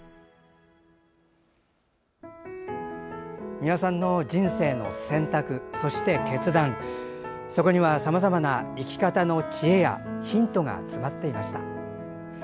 美輪さんの人生の選択そして決断、そこにはさまざまな生き方の知恵やヒントが詰まっていました。